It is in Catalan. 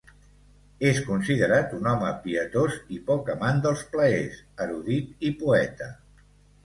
És considerat un home pietós i poc amant dels plaers, erudit i poeta.